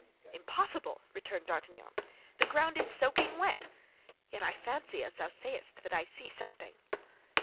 "Impossible!" returned D'Artagnan. "The ground is soaking wet; yet I fancy, as thou sayest, that I see something."